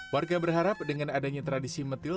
warga berharap dengan adanya tradisi metil